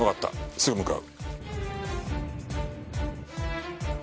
すぐ向かう。